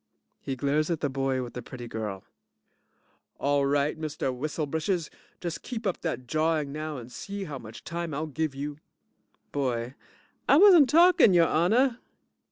(He glares at the boy with the pretty girl) All right, Mr. Whistle britches, just keep up dat jawing now and see how much time I'll give you! BOY I wasn't talking, your honor.